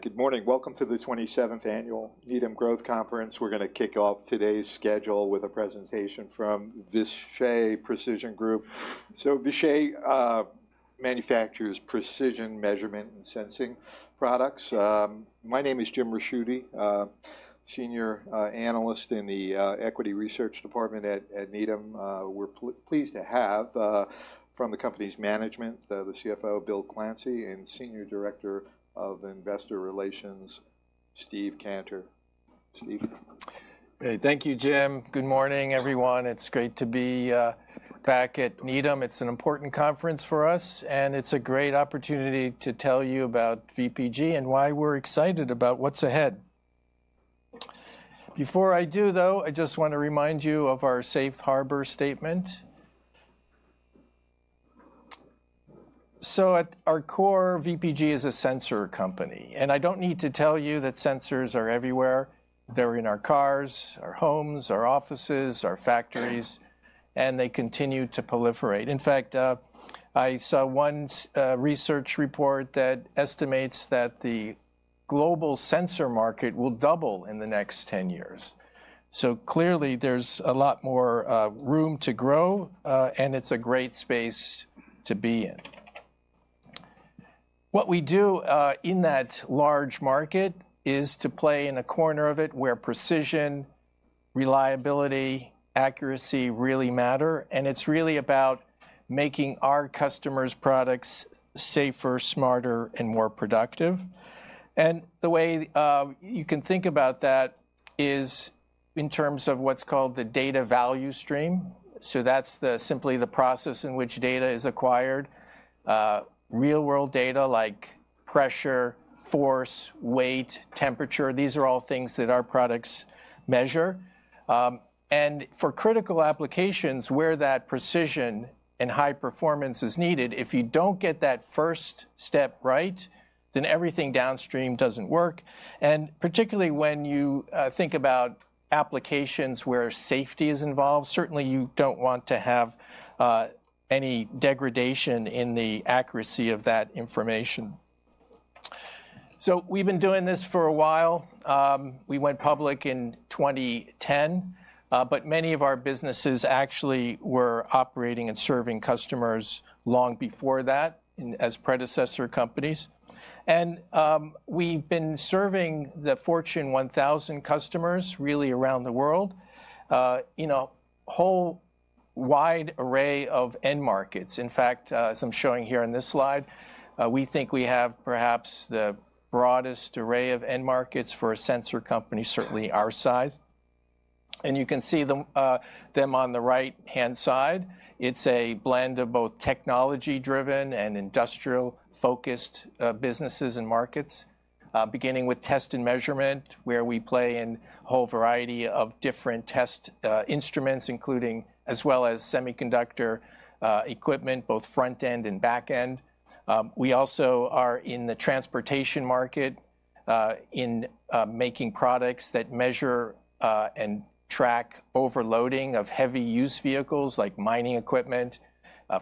Good morning. Welcome to the 27th Annual Needham & Company Growth Conference. We're going to kick off today's schedule with a presentation from Vishay Precision Group. So Vishay manufactures precision measurement and sensing products. My name is Jim Ricchiuti, Senior Analyst in the Equity Research Department at Needham & Company. We're pleased to have from the company's management, the CFO, Bill Clancy, and Senior Director of Investor Relations, Steve Cantor. Steve. Thank you, Jim. Good morning, everyone. It's great to be back at Needham. It's an important conference for us, and it's a great opportunity to tell you about VPG and why we're excited about what's ahead. Before I do, though, I just want to remind you of our Safe Harbor statement. So our core, VPG, is a sensor company. And I don't need to tell you that sensors are everywhere. They're in our cars, our homes, our offices, our factories, and they continue to proliferate. In fact, I saw one research report that estimates that the global sensor market will double in the next 10 years. So clearly, there's a lot more room to grow, and it's a great space to be in. What we do in that large market is to play in a corner of it where precision, reliability, accuracy really matter. It's really about making our customers' products safer, smarter, and more productive. The way you can think about that is in terms of what's called the data value stream. That's simply the process in which data is acquired: real-world data like pressure, force, weight, temperature. These are all things that our products measure. For critical applications where that precision and high performance is needed, if you don't get that first step right, then everything downstream doesn't work. Particularly when you think about applications where safety is involved, certainly you don't want to have any degradation in the accuracy of that information. We've been doing this for a while. We went public in 2010, but many of our businesses actually were operating and serving customers long before that as predecessor companies. And we've been serving the Fortune 1000 customers really around the world, a whole wide array of end markets. In fact, as I'm showing here on this slide, we think we have perhaps the broadest array of end markets for a sensor company, certainly our size. And you can see them on the right-hand side. It's a blend of both technology-driven and industrial-focused businesses and markets, beginning with test and measurement, where we play in a whole variety of different test instruments, as well as semiconductor equipment, both front-end and back-end. We also are in the transportation market in making products that measure and track overloading of heavy-use vehicles like mining equipment,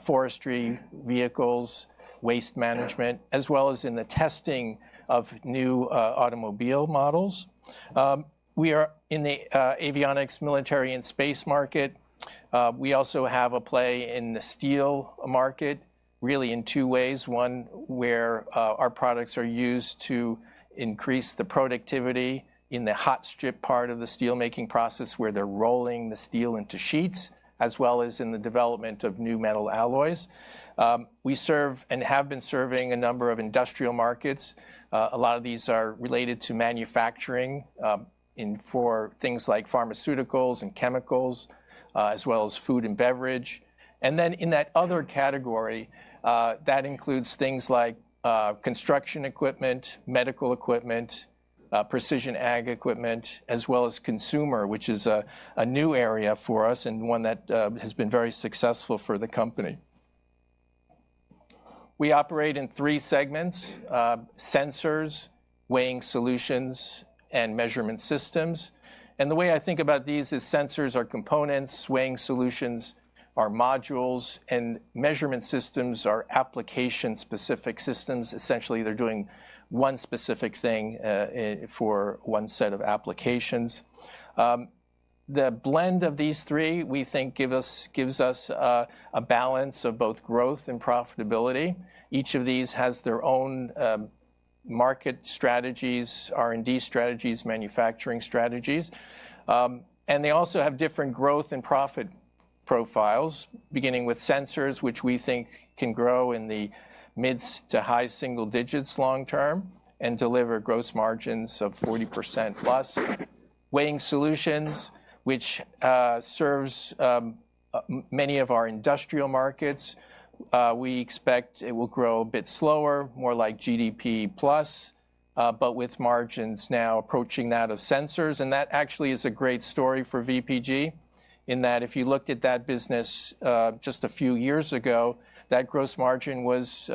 forestry vehicles, waste management, as well as in the testing of new automobile models. We are in the avionics, military, and space market. We also have a play in the steel market, really in two ways: one where our products are used to increase the productivity in the hot strip part of the steelmaking process, where they're rolling the steel into sheets, as well as in the development of new metal alloys. We serve and have been serving a number of industrial markets. A lot of these are related to manufacturing for things like pharmaceuticals and chemicals, as well as food and beverage, and then in that other category, that includes things like construction equipment, medical equipment, precision ag equipment, as well as consumer, which is a new area for us and one that has been very successful for the company. We operate in three segments: sensors, weighing solutions, and measurement systems, and the way I think about these is sensors are components, weighing solutions are modules, and measurement systems are application-specific systems. Essentially, they're doing one specific thing for one set of applications. The blend of these three, we think, gives us a balance of both growth and profitability. Each of these has their own market strategies, R&D strategies, manufacturing strategies. And they also have different growth and profit profiles, beginning with sensors, which we think can grow in the mid- to high single digits long term and deliver gross margins of 40% plus. Weighing solutions, which serves many of our industrial markets, we expect it will grow a bit slower, more like GDP plus, but with margins now approaching that of sensors. And that actually is a great story for VPG in that if you looked at that business just a few years ago, that gross margin was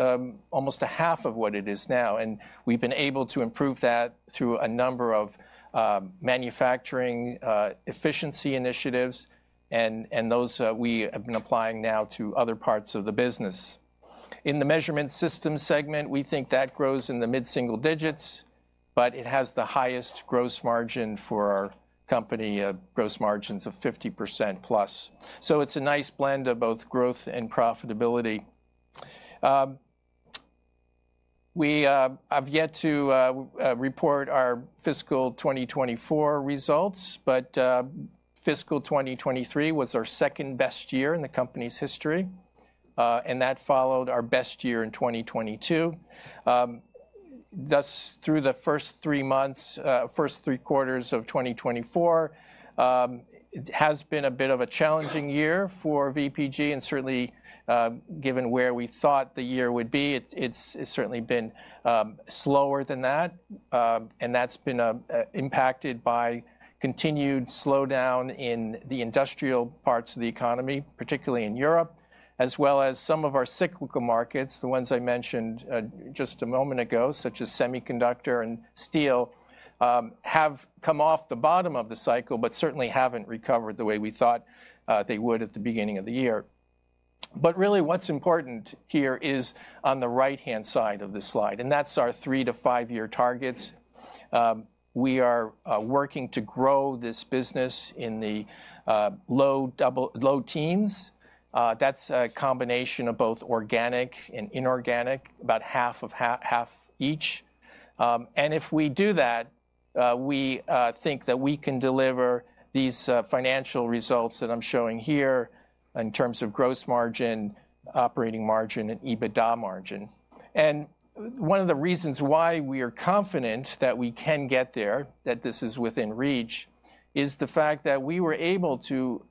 almost half of what it is now. And we've been able to improve that through a number of manufacturing efficiency initiatives, and those we have been applying now to other parts of the business. In the measurement systems segment, we think that grows in the mid-single digits, but it has the highest gross margin for our company, gross margins of 50% plus. So it's a nice blend of both growth and profitability. We have yet to report our fiscal 2024 results, but fiscal 2023 was our second best year in the company's history, and that followed our best year in 2022. Thus, through the first three months, first three quarters of 2024, it has been a bit of a challenging year for VPG and certainly, given where we thought the year would be, it's certainly been slower than that. And that's been impacted by continued slowdown in the industrial parts of the economy, particularly in Europe, as well as some of our cyclical markets, the ones I mentioned just a moment ago, such as semiconductor and steel, have come off the bottom of the cycle, but certainly haven't recovered the way we thought they would at the beginning of the year. But really, what's important here is on the right-hand side of the slide, and that's our three- to five-year targets. We are working to grow this business in the low teens. That's a combination of both organic and inorganic, about half of half each. And if we do that, we think that we can deliver these financial results that I'm showing here in terms of gross margin, operating margin, and EBITDA margin. One of the reasons why we are confident that we can get there, that this is within reach, is the fact that we were able to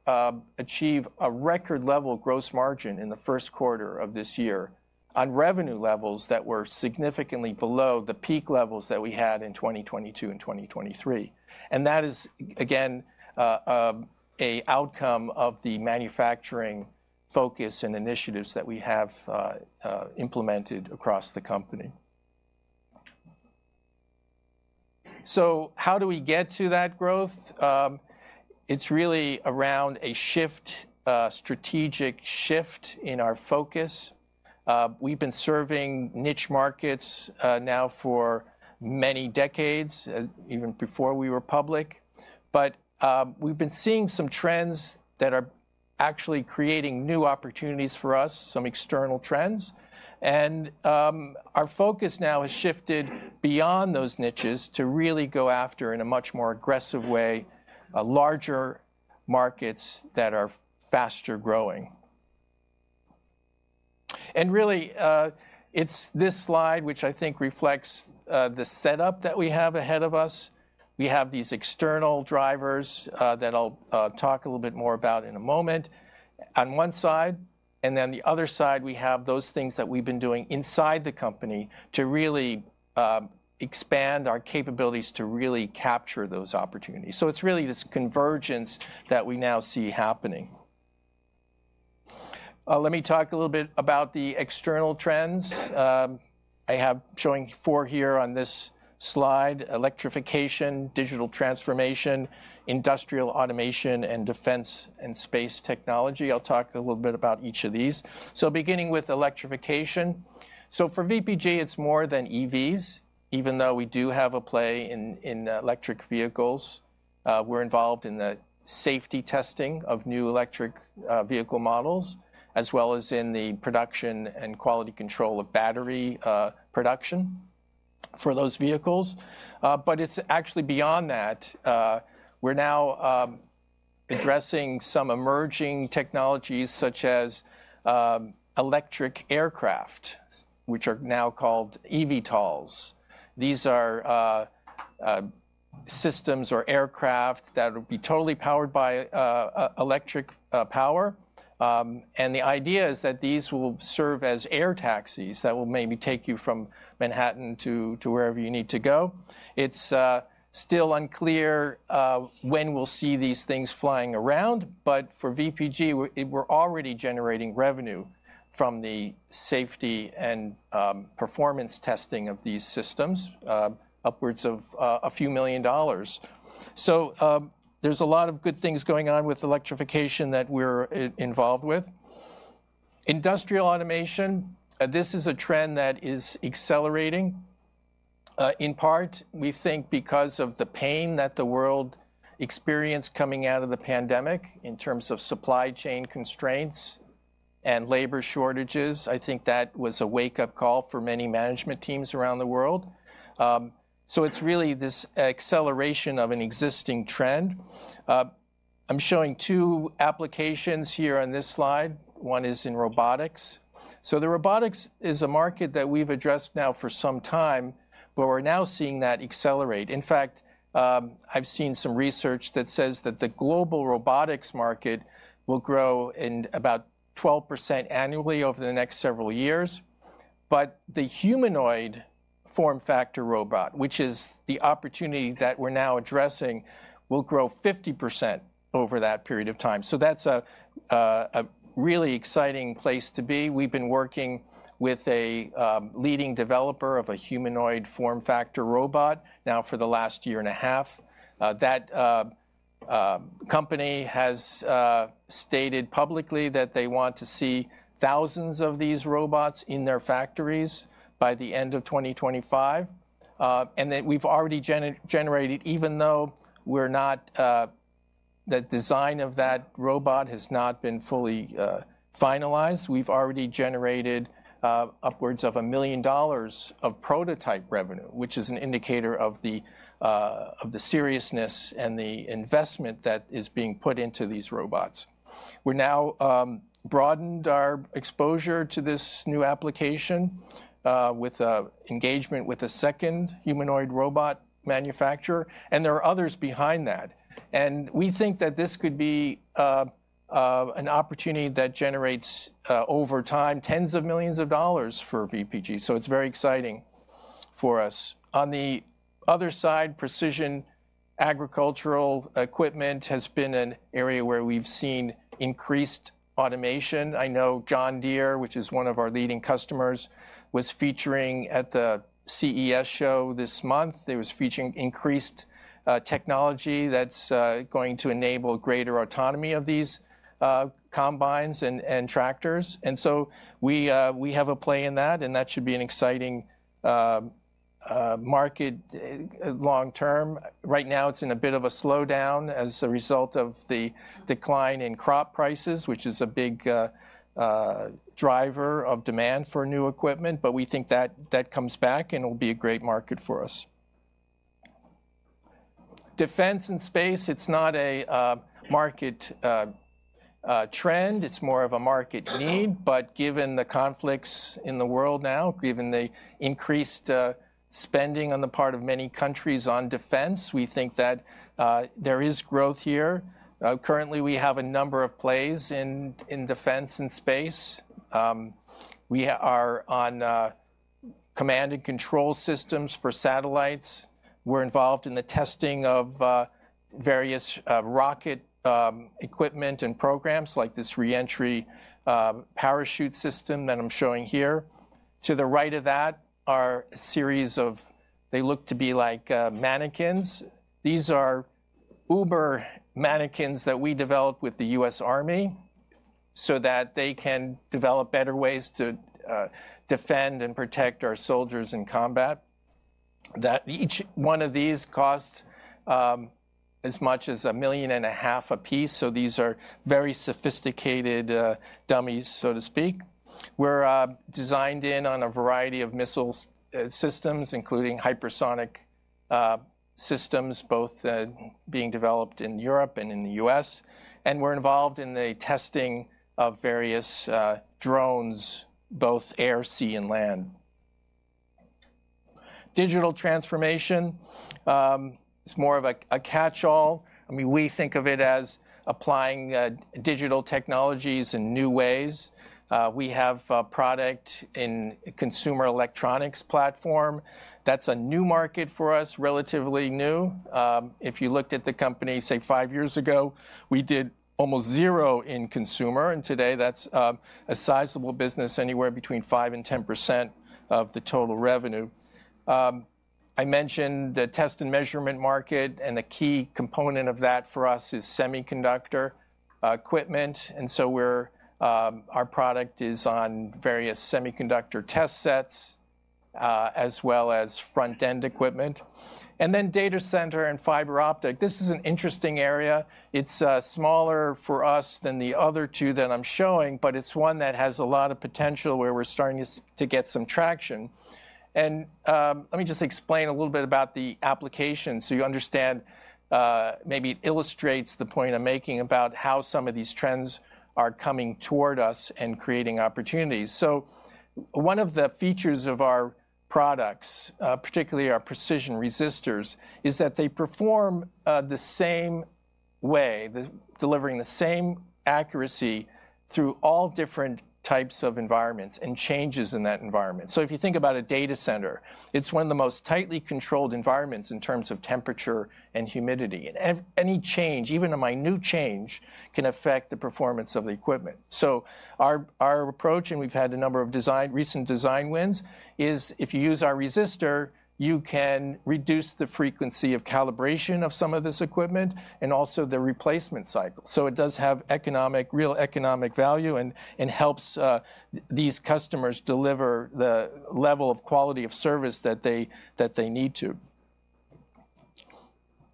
achieve a record-level gross margin in the Q1 of this year on revenue levels that were significantly below the peak levels that we had in 2022 and 2023. That is, again, an outcome of the manufacturing focus and initiatives that we have implemented across the company. How do we get to that growth? It's really around a strategic shift in our focus. We've been serving niche markets now for many decades, even before we were public. We've been seeing some trends that are actually creating new opportunities for us, some external trends. Our focus now has shifted beyond those niches to really go after, in a much more aggressive way, larger markets that are faster growing. Really, it's this slide, which I think reflects the setup that we have ahead of us. We have these external drivers that I'll talk a little bit more about in a moment. On one side, and then the other side, we have those things that we've been doing inside the company to really expand our capabilities to really capture those opportunities. It's really this convergence that we now see happening. Let me talk a little bit about the external trends. I have showing four here on this slide: electrification, digital transformation, industrial automation, and defense and space technology. I'll talk a little bit about each of these. Beginning with electrification. For VPG, it's more than EVs. Even though we do have a play in electric vehicles, we're involved in the safety testing of new electric vehicle models, as well as in the production and quality control of battery production for those vehicles. But it's actually beyond that. We're now addressing some emerging technologies, such as electric aircraft, which are now called Evtols. These are systems or aircraft that will be totally powered by electric power. And the idea is that these will serve as air taxis that will maybe take you from Manhattan to wherever you need to go. It's still unclear when we'll see these things flying around, but for VPG, we're already generating revenue from the safety and performance testing of these systems, upwards of a few million dollars. So there's a lot of good things going on with electrification that we're involved with. Industrial automation, this is a trend that is accelerating. In part, we think because of the pain that the world experienced coming out of the pandemic in terms of supply chain constraints and labor shortages, I think that was a wake-up call for many management teams around the world. So it's really this acceleration of an existing trend. I'm showing two applications here on this slide. One is in robotics. So the robotics is a market that we've addressed now for some time, but we're now seeing that accelerate. In fact, I've seen some research that says that the global robotics market will grow in about 12% annually over the next several years. But the humanoid form factor robot, which is the opportunity that we're now addressing, will grow 50% over that period of time. So that's a really exciting place to be. We've been working with a leading developer of a humanoid form factor robot now for the last year and a half. That company has stated publicly that they want to see thousands of these robots in their factories by the end of 2025. And, even though the design of that robot has not been fully finalized, we've already generated upwards of $1 million of prototype revenue, which is an indicator of the seriousness and the investment that is being put into these robots. We've now broadened our exposure to this new application with engagement with a second humanoid robot manufacturer. And there are others behind that. And we think that this could be an opportunity that generates over time $10s of millions for VPG. So it's very exciting for us. On the other side, precision agricultural equipment has been an area where we've seen increased automation. I know John Deere, which is one of our leading customers, was featuring at the CES show this month. They were featuring increased technology that's going to enable greater autonomy of these combines and tractors. And so we have a play in that, and that should be an exciting market long term. Right now, it's in a bit of a slowdown as a result of the decline in crop prices, which is a big driver of demand for new equipment, but we think that comes back and will be a great market for us. Defense and space, it's not a market trend. It's more of a market need. But given the conflicts in the world now, given the increased spending on the part of many countries on defense, we think that there is growth here. Currently, we have a number of plays in defense and space. We are on command and control systems for satellites. We're involved in the testing of various rocket equipment and programs like this reentry parachute system that I'm showing here. To the right of that are a series of, they look to be like mannequins. These are advanced testing mannequins that we developed with the U.S. Army so that they can develop better ways to defend and protect our soldiers in combat. Each one of these costs as much as $1.5 million apiece. So these are very sophisticated dummies, so to speak. We're designed in on a variety of missile systems, including hypersonic systems, both being developed in Europe and in the US, and we're involved in the testing of various drones, both air, sea, and land. Digital transformation is more of a catch-all. I mean, we think of it as applying digital technologies in new ways. We have a product in consumer electronics platform. That's a new market for us, relatively new. If you looked at the company, say, five years ago, we did almost zero in consumer, and today, that's a sizable business, anywhere between 5% and 10% of the total revenue. I mentioned the test and measurement market, and the key component of that for us is semiconductor equipment. And so our product is on various semiconductor test sets, as well as front-end equipment, and then data centers and fiber optics. This is an interesting area. It's smaller for us than the other two that I'm showing, but it's one that has a lot of potential where we're starting to get some traction. And let me just explain a little bit about the application so you understand, maybe it illustrates the point I'm making about how some of these trends are coming toward us and creating opportunities. So one of the features of our products, particularly our precision resistors, is that they perform the same way, delivering the same accuracy through all different types of environments and changes in that environment. So if you think about a data center, it's one of the most tightly controlled environments in terms of temperature and humidity. And any change, even a minute change, can affect the performance of the equipment. So our approach, and we've had a number of recent design wins, is if you use our resistor, you can reduce the frequency of calibration of some of this equipment and also the replacement cycle. So it does have real economic value and helps these customers deliver the level of quality of service that they need to.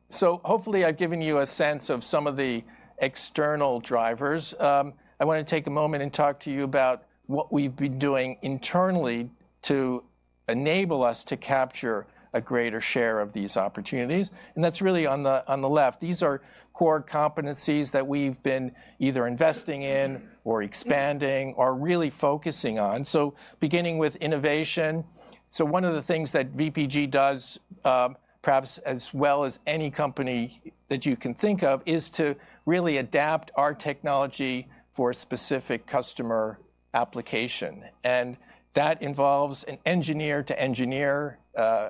So hopefully, I've given you a sense of some of the external drivers. I want to take a moment and talk to you about what we've been doing internally to enable us to capture a greater share of these opportunities. And that's really on the left. These are core competencies that we've been either investing in or expanding or really focusing on. So beginning with innovation. One of the things that VPG does, perhaps as well as any company that you can think of, is to really adapt our technology for a specific customer application. That involves an engineer-to-engineer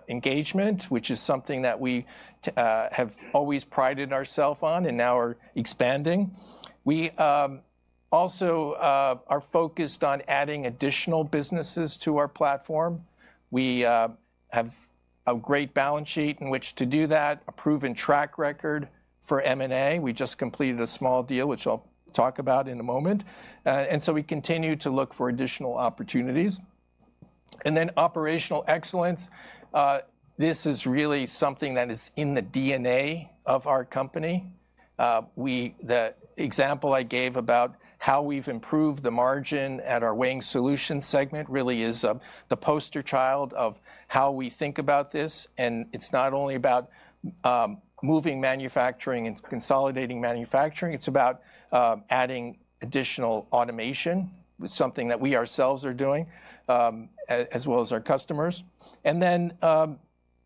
engagement, which is something that we have always prided ourselves on and now are expanding. We also are focused on adding additional businesses to our platform. We have a great balance sheet in which to do that, a proven track record for M&A. We just completed a small deal, which I'll talk about in a moment. We continue to look for additional opportunities. Then operational excellence. This is really something that is in the DNA of our company. The example I gave about how we've improved the margin at our weighing solutions segment really is the poster child of how we think about this. It's not only about moving manufacturing and consolidating manufacturing. It's about adding additional automation, something that we ourselves are doing, as well as our customers. Then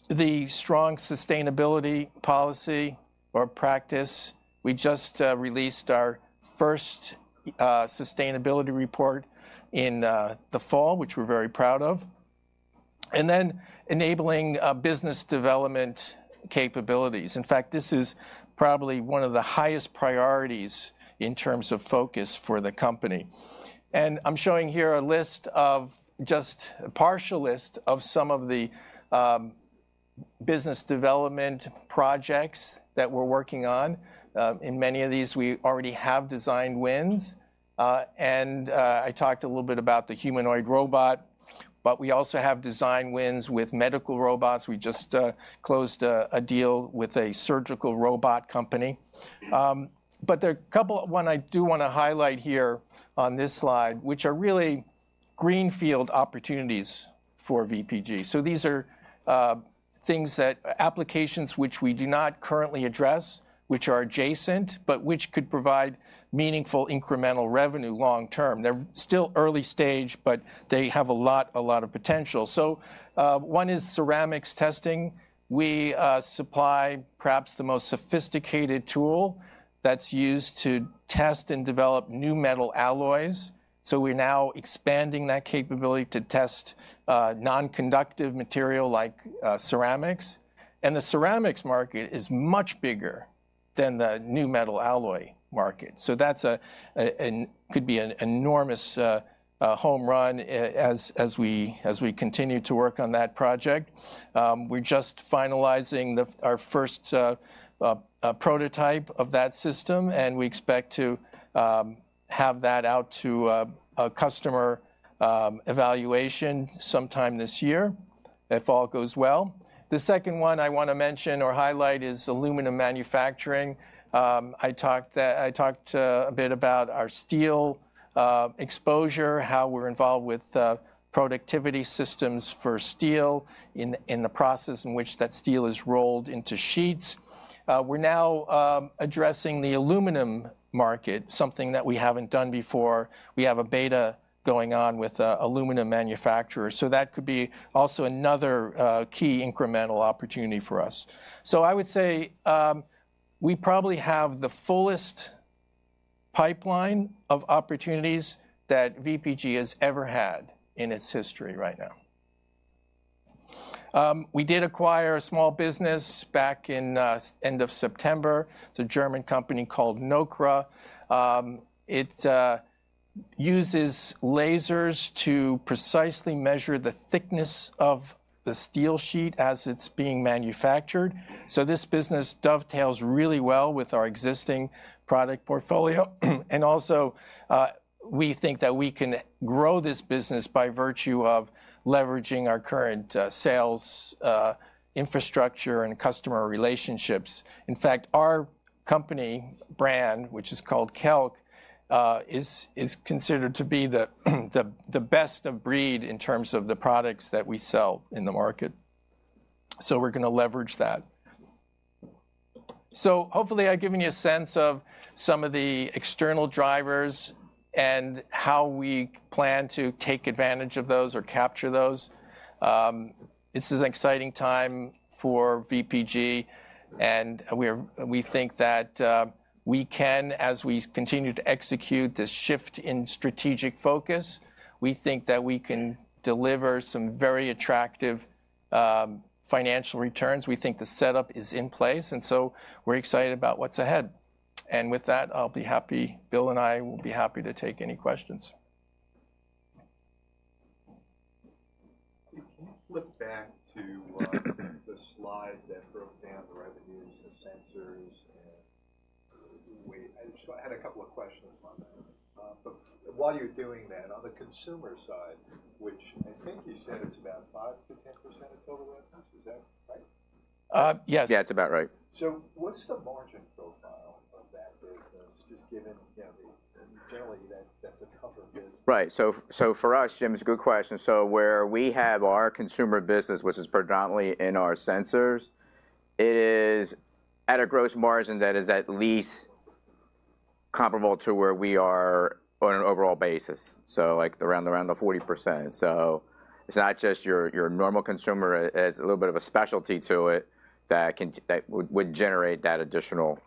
the strong sustainability policy or practice. We just released our first sustainability report in the fall, which we're very proud of. Then enabling business development capabilities. In fact, this is probably one of the highest priorities in terms of focus for the company. I'm showing here a list of just a partial list of some of the business development projects that we're working on. In many of these, we already have design wins. I talked a little bit about the humanoid robot, but we also have design wins with medical robots. We just closed a deal with a surgical robot company. But there are a couple of ones I do want to highlight here on this slide, which are really greenfield opportunities for VPG. So these are things that applications which we do not currently address, which are adjacent, but which could provide meaningful incremental revenue long term. They're still early stage, but they have a lot, a lot of potential. So one is ceramics testing. We supply perhaps the most sophisticated tool that's used to test and develop new metal alloys. So we're now expanding that capability to test non-conductive material like ceramics. And the ceramics market is much bigger than the new metal alloy market. So that could be an enormous home run as we continue to work on that project. We're just finalizing our first prototype of that system, and we expect to have that out to a customer evaluation sometime this year, if all goes well. The second one I want to mention or highlight is aluminum manufacturing. I talked a bit about our steel exposure, how we're involved with productivity systems for steel in the process in which that steel is rolled into sheets. We're now addressing the aluminum market, something that we haven't done before. We have a beta going on with aluminum manufacturers. So that could be also another key incremental opportunity for us. So I would say we probably have the fullest pipeline of opportunities that VPG has ever had in its history right now. We did acquire a small business back in the end of September. It's a German company called NOKRA. It uses lasers to precisely measure the thickness of the steel sheet as it's being manufactured. So this business dovetails really well with our existing product portfolio. And also, we think that we can grow this business by virtue of leveraging our current sales infrastructure and customer relationships. In fact, our company brand, which is called KELK, is considered to be the best of breed in terms of the products that we sell in the market. So we're going to leverage that. So hopefully, I've given you a sense of some of the external drivers and how we plan to take advantage of those or capture those. This is an exciting time for VPG. And we think that we can, as we continue to execute this shift in strategic focus, we think that we can deliver some very attractive financial returns. We think the setup is in place. And so we're excited about what's ahead. And with that, I'll be happy Bill and I will be happy to take any questions. Can you flip back to the slide that broke down the revenues of sensors? And I just had a couple of questions on that. But while you're doing that, on the consumer side, which I think you said it's about 5%-10% of total revenues, is that right? Yes. Yeah, it's about right. So what's the margin profile of that business, just given generally that's a tougher business? Right. So for us, Jim, it's a good question. So where we have our consumer business, which is predominantly in our sensors, it is at a gross margin that is at least comparable to where we are on an overall basis, so around 40%. So it's not just your normal consumer. It has a little bit of a specialty to it that would generate that additional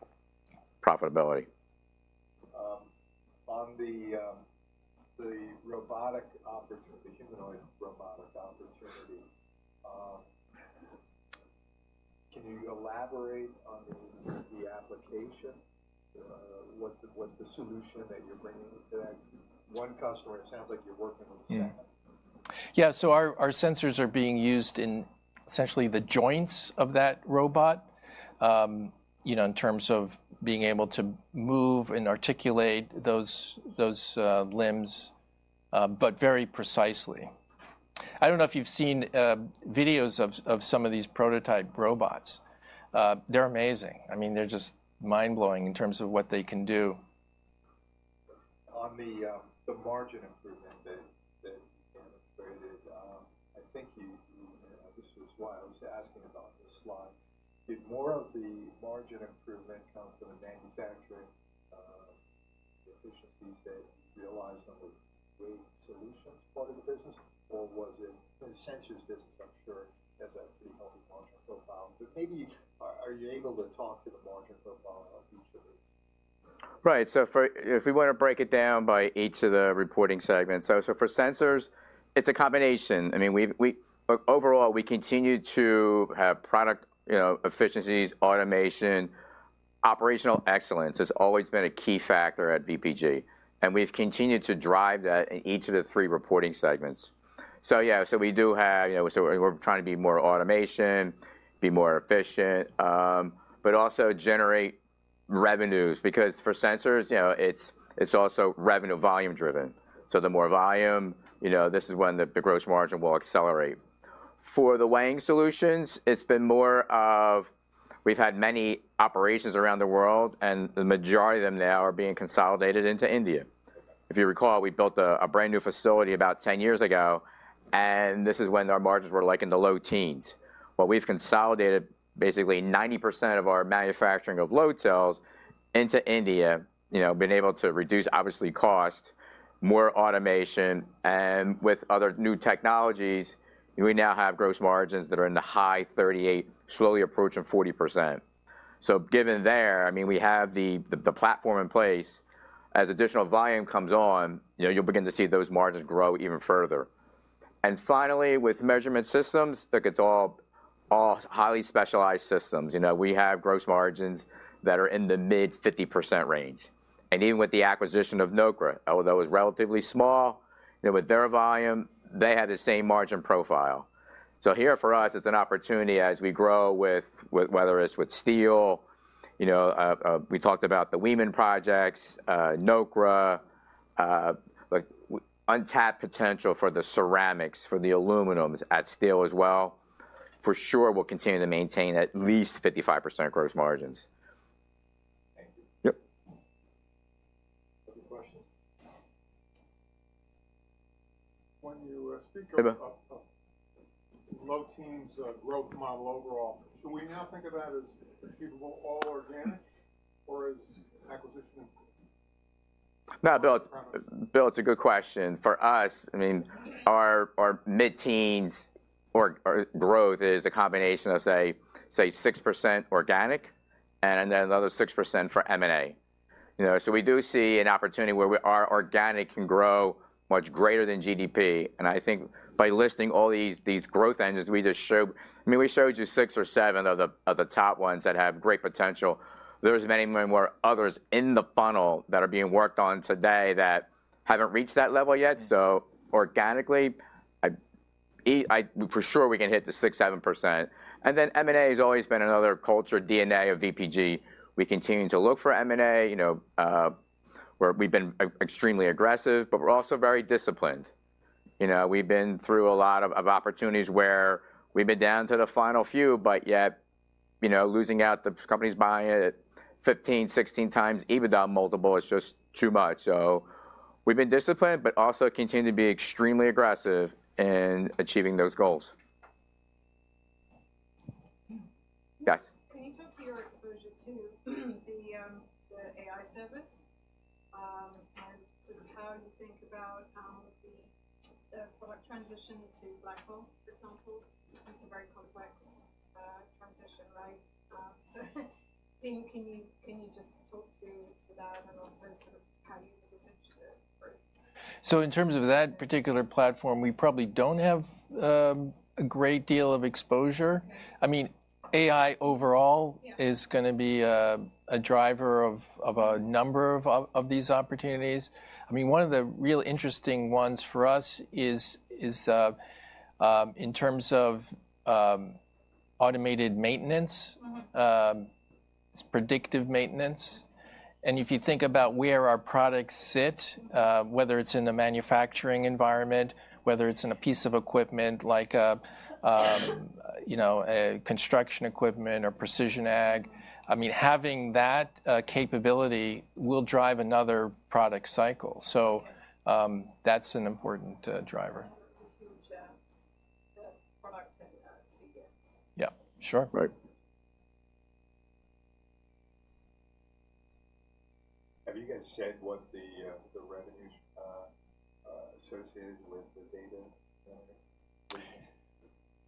profitability. On the humanoid robot opportunity, can you elaborate on the application, what the solution that you're bringing to that one customer? It sounds like you're working with the same. Yeah, so our sensors are being used in essentially the joints of that robot in terms of being able to move and articulate those limbs, but very precisely. I don't know if you've seen videos of some of these prototype robots. They're amazing. I mean, they're just mind-blowing in terms of what they can do. On the margin improvement that you demonstrated, I think this is why I was asking about this slide. Did more of the margin improvement come from the manufacturing efficiencies that you realized on the weighing solutions part of the business, or was it? The sensors business, I'm sure, has a pretty healthy margin profile. But maybe are you able to talk to the margin profile of each of these? Right, so if we want to break it down by each of the reporting segments, so for sensors, it's a combination. I mean, overall, we continue to have product efficiencies, automation, operational excellence has always been a key factor at VPG, and we've continued to drive that in each of the three reporting segments. So yeah, so we're trying to be more automated, be more efficient, but also generate revenues because for sensors, it's also revenue volume-driven. So the more volume, this is when the gross margin will accelerate. For the weighing solutions, it's been more of we've had many operations around the world, and the majority of them now are being consolidated into India. If you recall, we built a brand new facility about 10 years ago, and this is when our margins were in the low teens. But we've consolidated basically 90% of our manufacturing of load cells into India, been able to reduce, obviously, costs with more automation. And with other new technologies, we now have gross margins that are in the high 38%, slowly approaching 40%. So given there, I mean, we have the platform in place. As additional volume comes on, you'll begin to see those margins grow even further. And finally, with measurement systems, it's all highly specialized systems. We have gross margins that are in the mid-50% range. And even with the acquisition of NOKRA, although it was relatively small, with their volume, they had the same margin profile. So here for us, it's an opportunity as we grow, whether it's with steel. We talked about the WIM projects, NOKRA, untapped potential for the ceramics, for the aluminum and steel as well. For sure, we'll continue to maintain at least 55% gross margins. Thank you. Yep. Questions? When you speak of low teens growth model overall, should we now think of that as achievable all organic or as acquisition? No, Bill, it's a good question. For us, I mean, our mid-teens growth is a combination of, say, 6% organic and then another 6% for M&A. So we do see an opportunity where our organic can grow much greater than GDP. And I think by listing all these growth engines, we just show I mean, we showed you six or seven of the top ones that have great potential. There are many more others in the funnel that are being worked on today that haven't reached that level yet. So organically, for sure, we can hit the 6-7%. And then M&A has always been another culture, DNA of VPG. We continue to look for M&A. We've been extremely aggressive, but we're also very disciplined. We've been through a lot of opportunities where we've been down to the final few, but yet losing out to the companies buying it 15, 16 times, even though the multiple is just too much, so we've been disciplined, but also continue to be extremely aggressive in achieving those goals. Yes. Can you talk to your exposure to the AI servers and sort of how you think about the product transition to Blackwell, for example? It's a very complex transition, right? So can you just talk to that and also sort of how you positioned it? So in terms of that particular platform, we probably don't have a great deal of exposure. I mean, AI overall is going to be a driver of a number of these opportunities. I mean, one of the real interesting ones for us is in terms of automated maintenance, predictive maintenance. And if you think about where our products sit, whether it's in the manufacturing environment, whether it's in a piece of equipment like a construction equipment or precision ag, I mean, having that capability will drive another product cycle. So that's an important driver. That's a huge product in DCS. Yeah. Sure. Right. Have you guys said what the revenues associated with the data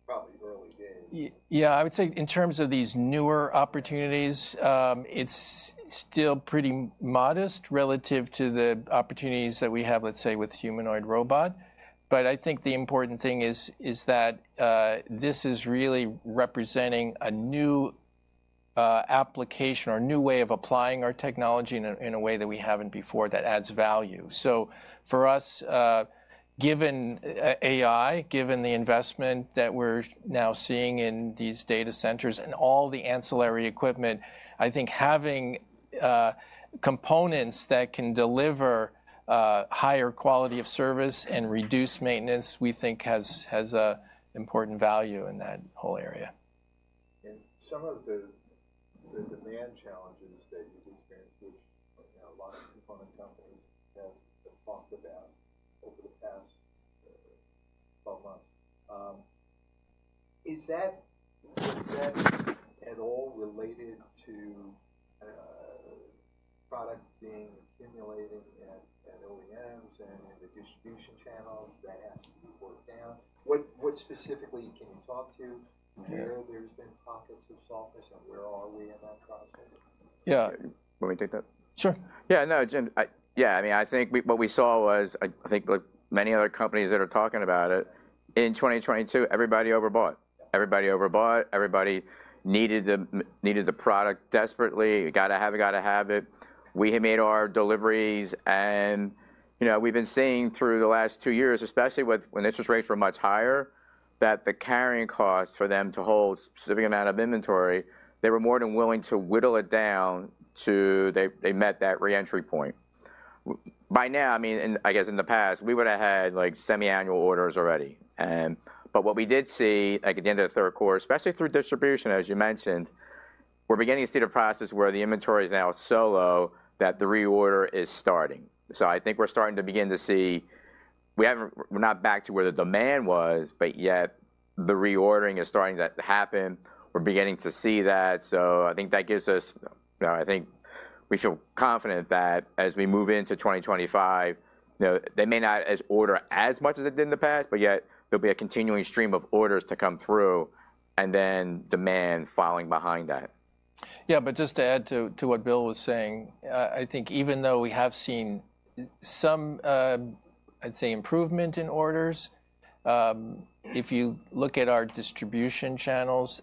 center probably are today? Yeah. I would say in terms of these newer opportunities, it's still pretty modest relative to the opportunities that we have, let's say, with humanoid robot. But I think the important thing is that this is really representing a new application or new way of applying our technology in a way that we haven't before that adds value. So for us, given AI, given the investment that we're now seeing in these data centers and all the ancillary equipment, I think having components that can deliver higher quality of service and reduce maintenance, we think has important value in that whole area. And some of the demand challenges that you've experienced, which a lot of component companies have talked about over the past 12 months, is that at all related to product being accumulating at OEMs and in the distribution channels that has to be worked out? What specifically can you talk to where there's been pockets of softness and where are we in that process? Yeah. Let me take that. Sure. Yeah. No, Jim. Yeah. I mean, I think what we saw was, I think like many other companies that are talking about it, in 2022, everybody overbought. Everybody overbought. Everybody needed the product desperately. Got to have it, got to have it. We made our deliveries, and we've been seeing through the last two years, especially when interest rates were much higher, that the carrying costs for them to hold a specific amount of inventory, they were more than willing to whittle it down to they met that reentry point. By now, I mean, I guess in the past, we would have had semi-annual orders already, but what we did see at the end of the Q3, especially through distribution, as you mentioned, we're beginning to see the process where the inventory is now so low that the reorder is starting. So I think we're starting to begin to see we're not back to where the demand was, but yet the reordering is starting to happen. We're beginning to see that. So I think that gives us, I think we feel confident that as we move into 2025, they may not order as much as they did in the past, but yet there'll be a continuing stream of orders to come through and then demand following behind that. Yeah. But just to add to what Bill was saying, I think even though we have seen some, I'd say, improvement in orders, if you look at our distribution channels,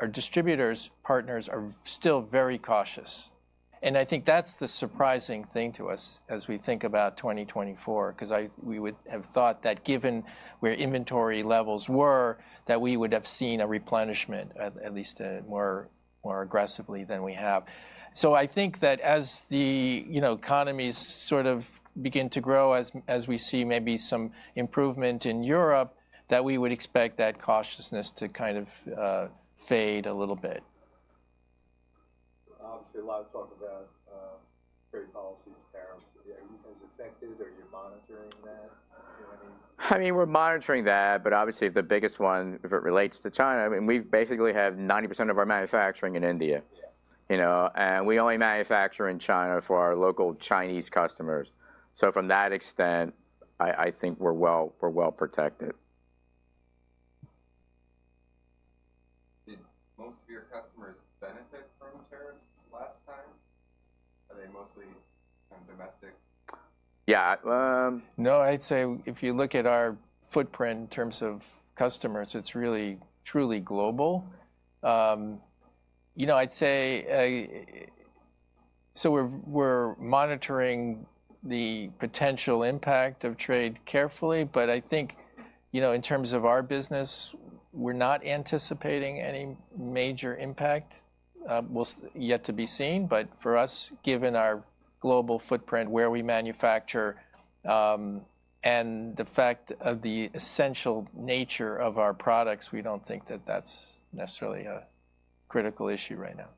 our distributors' partners are still very cautious. I think that's the surprising thing to us as we think about 2024 because we would have thought that given where inventory levels were, that we would have seen a replenishment at least more aggressively than we have. So I think that as the economies sort of begin to grow, as we see maybe some improvement in Europe, that we would expect that cautiousness to kind of fade a little bit. Obviously, a lot of talk about trade policies, tariffs. Are you guys affected? Are you monitoring that? Do you have any? I mean, we're monitoring that, but obviously the biggest one, if it relates to China, I mean, we basically have 90% of our manufacturing in India. And we only manufacture in China for our local Chinese customers. So from that extent, I think we're well protected. Did most of your customers benefit from tariffs last time? Are they mostly domestic? Yeah. No, I'd say if you look at our footprint in terms of customers, it's really truly global. I'd say, so we're monitoring the potential impact of trade carefully, but I think in terms of our business, we're not anticipating any major impact. Well, yet to be seen. But for us, given our global footprint, where we manufacture, and the fact of the essential nature of our products, we don't think that that's necessarily a critical issue right now.